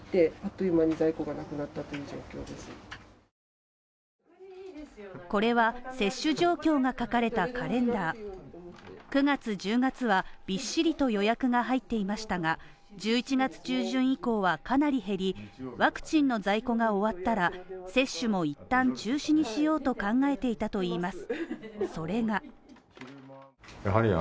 そのわけはこれは接種状況が書かれたカレンダー、９月、１０月はびっしりと予約が入っていましたが、１１月中旬以降はかなり減り、ワクチンの在庫が終わったら接種も一旦中止にしようと考えていたといいます。